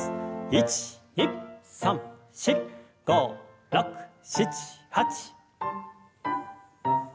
１２３４５６７８。